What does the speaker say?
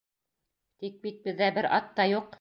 Тик бит беҙҙә бер ат та юҡ.